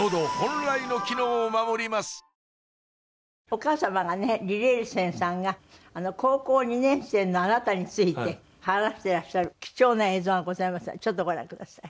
お母様がね李麗仙さんが高校２年生のあなたについて話していらっしゃる貴重な映像がございますのでちょっとご覧ください。